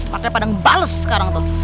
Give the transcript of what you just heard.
makanya pada ngebales sekarang tuh